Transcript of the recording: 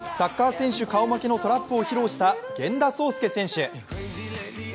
今回、私が取材したのはサッカー選手顔負けのトラップを披露した源田壮亮選手。